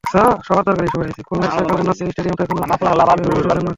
খুলনার শেখ আবু নাসের স্টেডিয়ামটা এখনো দুর্গই হয়ে আছে বাংলাদেশের জন্য।